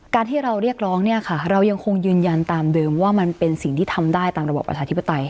ที่เราเรียกร้องเนี่ยค่ะเรายังคงยืนยันตามเดิมว่ามันเป็นสิ่งที่ทำได้ตามระบบประชาธิปไตย